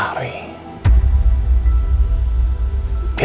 alhamdulillah lancar pak